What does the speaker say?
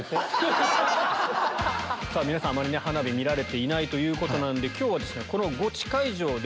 皆さんあまり花火見られていないということで今日はゴチ会場で。